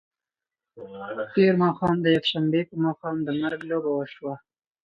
تېر ماښام د یکشنبې په ماښام د مرګ لوبه وشوه.